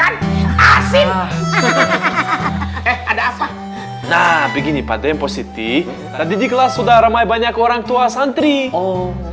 eh ada apa nah begini pada yang positif ada di kelas sudah ramai banyak orang tua santri oh